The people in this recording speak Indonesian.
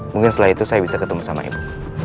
mungkin setelah itu saya bisa ketemu sama ibu